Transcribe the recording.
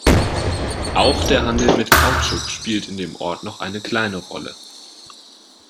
Auch der Handel mit Kautschuk spielt in dem Ort noch eine kleine Rolle.